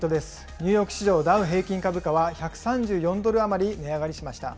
ニューヨーク市場ダウ平均株価は、１３４ドル余り値上がりしました。